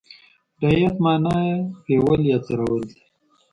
رعیت معنا یې پېول یا څرول دي.